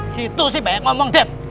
sih itu sih banyak ngomong dad